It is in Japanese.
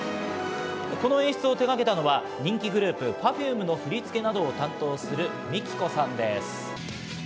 この演出を手がけたのは人気グループＰｅｒｆｕｍｅの振り付けなどを担当するＭＩＫＩＫＯさんです。